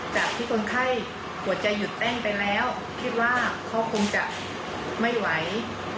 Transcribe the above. จากที่คนไข้หัวใจหยุดเต้นไปแล้วคิดว่าเขาคงจะไม่ไหว